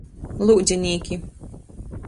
Lūdzinīki.